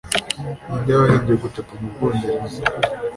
Ninde wahimbye gucapa mu Bwongereza